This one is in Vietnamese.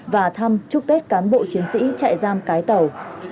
và thăm chúc tết cán bộ chiến sĩ trại giam cái tàu